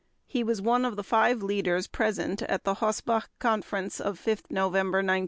He was one of the five leaders present at the Hossbach Conference of 5 November 1937.